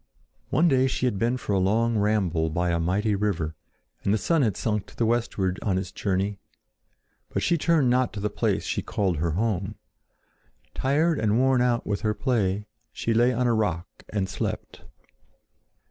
One day she had been for a long ramble by a mighty river, and the sun had sunk to the westward on its journey; but she turned not to the place she called her home. Tired and worn out with her play, she lay on a rock and slept.